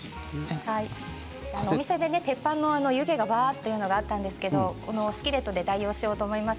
お店で鉄板の湯気がぼわっというのがあったんですがスキレットで代用しようと思います。